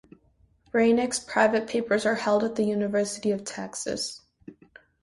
Rainich's private papers are held at the University of Texas.